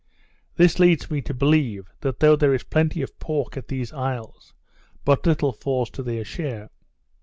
This leads me to believe, that though there is plenty of pork at these isles, but little falls to their share.